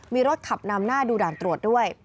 มีรถขับนำหน้าดูด่านตรวจด้วย